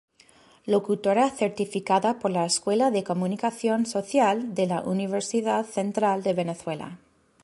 Locutora certificada por la Escuela de Comunicación Social de la Universidad Central de Venezuela.